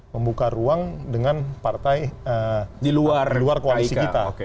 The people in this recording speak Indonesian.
membuka ruang dengan partai di luar koalisi kita